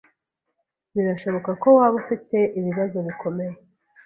Birashoboka ko waba ufite ibibazo bikomeye